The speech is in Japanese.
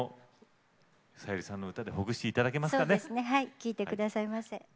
聴いてくださいませ。